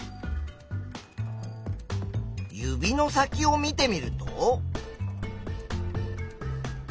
指の先を見てみると。